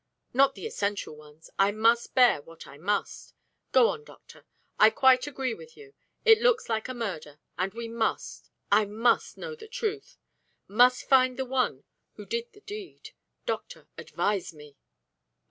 "Not the essential ones. I must bear what I must. Go on, doctor. I quite agree with you. It looks like a murder, and we must I must know the truth must find the one who did the deed. Doctor, advise me."